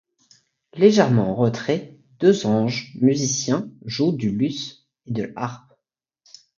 Légèrement en retrait, deux anges musiciens jouent du luth et de la harpe.